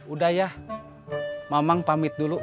udah ya mamang pamit dulu